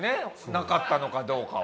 なかったのかどうかは。